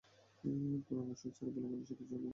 পুরাণশাস্ত্রে ভালো মানুষ জিতে যায় আর খারাপ মানুষ হেরে যায়।